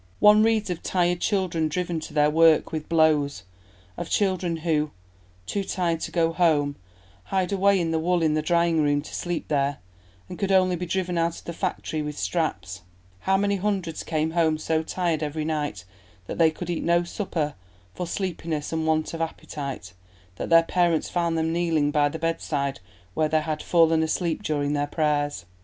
One reads of tired children driven to their work with blows; of children who, "too tired to go home, hide away in the wool in the drying room to sleep there, and could only be driven out of the factory with straps; how many hundreds came home so tired every night that they could eat no supper for sleepiness and want of appetite, that their parents found them kneeling by the bedside where they had fallen asleep during their prayers."